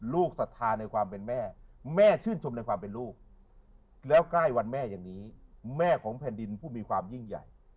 ศรัทธาในความเป็นแม่แม่ชื่นชมในความเป็นลูกแล้วใกล้วันแม่อย่างนี้แม่ของแผ่นดินผู้มีความยิ่งใหญ่